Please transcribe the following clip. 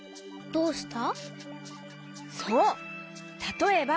「どうした」？